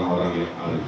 yang hari ini